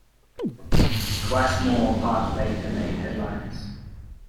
Twice more Part Baker made headlines.